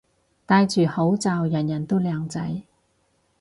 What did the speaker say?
戴住口罩人人都靚仔